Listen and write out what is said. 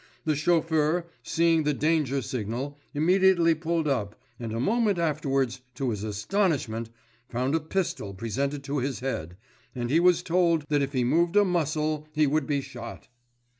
The chauffeur, seeing the danger signal, immediately pulled up, and a moment afterwards, to his astonishment, found a pistol presented to his head, and he was told that if he moved a muscle he would be shot.